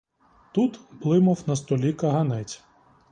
Тут блимав на столі каганець.